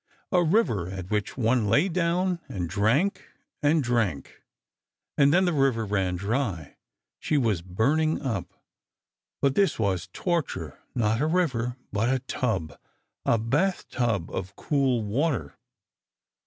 a river at which one lay down and drank and drank ... and then the river ran dry ... she was burning up, but this was torture ... not a river but a tub—a bathtub of cool water.